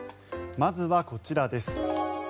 まずはこちらです。